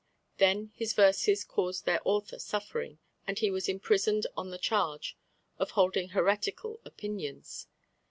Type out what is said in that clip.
Then his verses caused their author suffering, and he was imprisoned on the charge of holding heretical opinions.